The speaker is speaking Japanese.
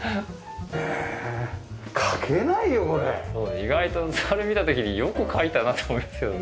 意外とそれ見た時によく描いたなと思いましたけどね。